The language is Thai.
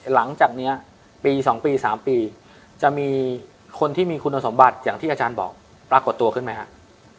หลังจากนี้ปี๒ปี๓ปีจะมีคนที่มีคุณสมบัติอย่างที่อาจารย์บอกปรากฏตัวขึ้นไหมครับ